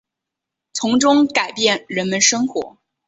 从中改变人们生活